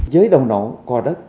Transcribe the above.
giới đồng nộ cò đất